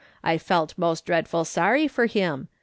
I felt most dreadful sorry i'or him.